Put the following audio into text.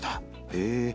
へえ。